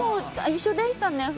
一緒でしたね。